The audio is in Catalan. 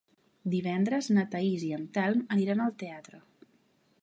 Divendres na Thaís i en Telm aniran al teatre.